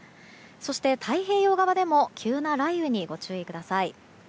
そして、太平洋側でも急な雷雨にご注意ください。